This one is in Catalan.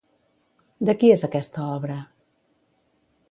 De qui és aquesta obra?